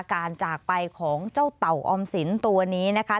การจากไปของเจ้าเต่าออมสินตัวนี้นะคะ